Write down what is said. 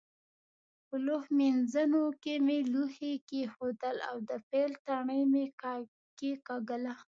په لوښ مینځوني کې مې لوښي کېښودل او د پیل تڼۍ مې کېکاږله.